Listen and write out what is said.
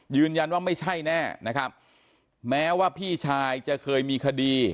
ไม่ใช่แน่นะครับแม้ว่าพี่ชายจะเคยมีคดี